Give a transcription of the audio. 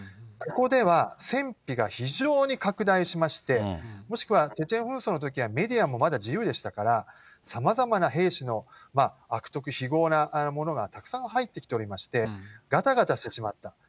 ここでは戦費が非常に拡大しまして、もしくは、チェチェン紛争のときはメディアもまだ自由でしたから、さまざまな兵士の悪徳非業なものがたくさん入ってきておりまして、がたがたしてしまった。